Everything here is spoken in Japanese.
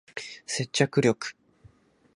接着力